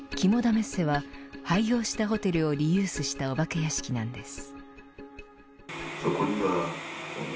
メッセは廃業したホテルをリユースしたお化け屋敷なんです。